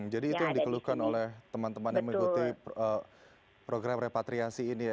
jadi itu yang dikeluhkan oleh teman teman yang mengikuti program repatriasi ini ya